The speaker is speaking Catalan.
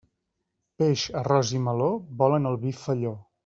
Peix, arròs i meló volen el vi felló.